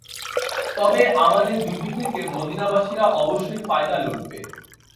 তবে আমাদের যুদ্ধ থেকে মদীনাবাসীরা অবশ্যই ফায়দা লুটবে।